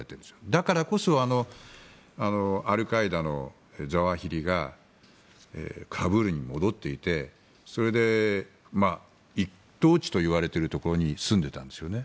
だからこそアルカイダのザワヒリがカブールに戻っていてそれで一等地と言われているところに住んでいたんですよね。